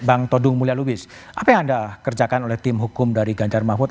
bang todung mulya lubis apa yang anda kerjakan oleh tim hukum dari ganjar mahfud